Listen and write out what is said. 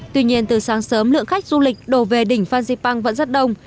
tuy nhiên từ sáng sớm lượng khách du lịch đổ về đỉnh phan xipang vẫn rất đông